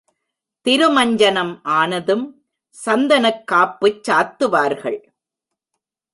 திருமஞ்சனம் ஆனதும் சந்தனக்காப்புச் சாத்துவார்கள்.